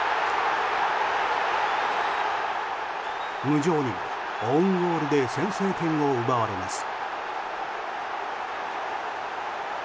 無情にもオウンゴールで先制点を奪われます。